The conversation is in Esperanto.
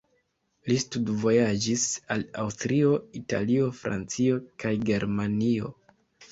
Li studvojaĝis al Aŭstrio, Italio, Francio kaj Germanio.